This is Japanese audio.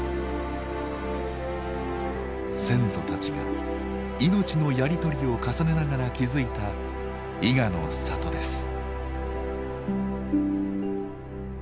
先祖たちが命のやり取りを重ねながら築いた伊賀の里です。